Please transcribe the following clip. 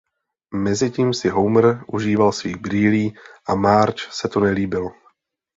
Mezitím si Homer užíval svých brýlí a Marge se to nelíbilo.